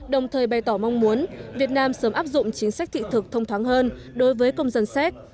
đồng thời bày tỏ mong muốn việt nam sớm áp dụng chính sách thị thực thông thoáng hơn đối với công dân séc